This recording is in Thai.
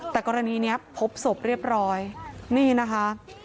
แต่กรณีนี้พบศพเรียบร้อยนี่นะคะ